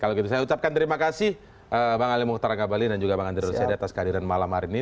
kalau begitu saya ucapkan terima kasih bang ali muhtarangga bali dan juga bang andri rosyad atas kehadiran malam hari ini